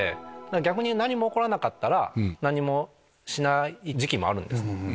逆に何も起こらなかったら何もしない時期もあるんですね。